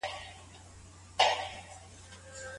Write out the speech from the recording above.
د طلاق تکليفي حکم يا مشروعيت څه سی دی؟